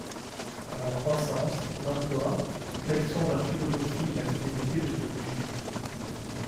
Car la croissance, l’emploi, tels sont la philosophie et la finalité de ce budget.